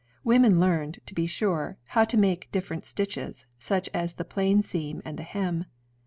Women learned, to be sure, how to make different stitches, such as the plain seam and the hem.